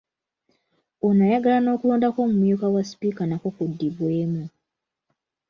Ono ayagala n’okulonda kw’omumyuka wa sipiika nakwo kuddibwemu .